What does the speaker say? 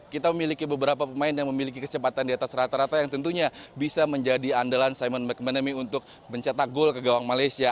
kita memiliki beberapa pemain yang memiliki kecepatan di atas rata rata yang tentunya bisa menjadi andalan simon mcmanamy untuk mencetak gol ke gawang malaysia